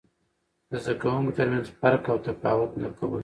د زده کوونکو ترمنځ فرق او تفاوت نه کول.